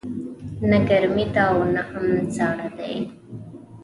نه ګرمې ده او نه هم ساړه دی